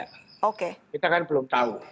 kita kan belum tahu